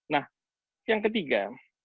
nah yang ketiga